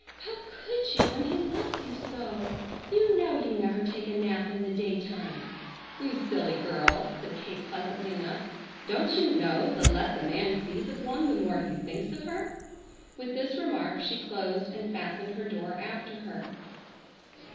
how could you when he loves you so? You know you never take a nap in the daytime!" "You silly girl!" said Kate pleasantly enough, "don't you know the less a man sees of one the more he thinks of her?" With this remark she closed and fastened her door after her.